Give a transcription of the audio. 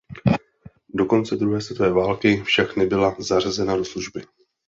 Do konce druhé světové války však nebyla zařazena do služby.